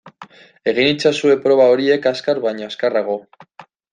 Egin itzazue proba horiek azkar baino azkarrago.